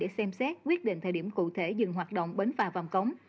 để xem xét quyết định thời điểm cụ thể dừng hoạt động bến phà vàm cống